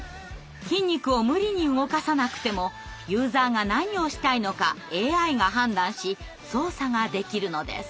筋肉を無理に動かさなくてもユーザーが何をしたいのかＡＩが判断し操作ができるのです。